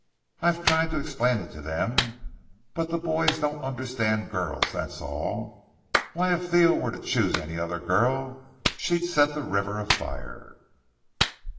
I've tried to explain it to them, but the boys don't understand girls, that's all. Why, if Theo was to choose any other girl, she'd set the river afire."